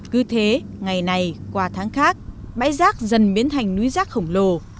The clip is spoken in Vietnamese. cứ thế ngày này qua tháng khác bãi rác dần biến thành núi rác khổng lồ